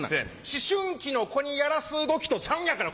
思春期の子にやらす動きとちゃうんやから。